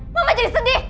mama jadi sedih